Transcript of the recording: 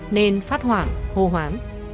nên phát hoảng hồ hoán